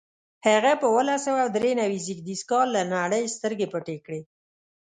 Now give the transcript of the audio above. هغه په اوولس سوه درې نوي زېږدیز کال له نړۍ سترګې پټې کړې.